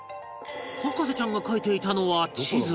博士ちゃんが描いていたのは地図